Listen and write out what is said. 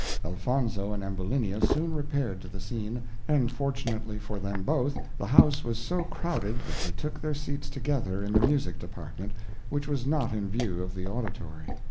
Elfonzo and Ambulinia soon repaired to the scene, and fortunately for them both the house was so crowded that they took their seats together in the music department, which was not in view of the auditory.